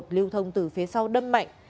lưu thông từ phía sau đâm mạnh